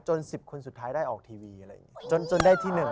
๑๐คนสุดท้ายได้ออกทีวีอะไรอย่างนี้จนได้ที่๑